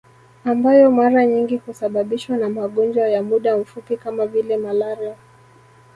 Ambayo mara nyingi husababishwa na magonjwa ya muda mfupi kama vile malaria